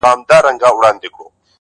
وه ه ته به كله زما شال سې ;